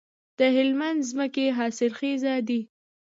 د هلمند ځمکې حاصلخیزه دي